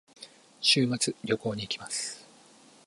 週末に旅行に行きます。